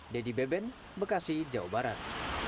dedy beben bekasi jawa barat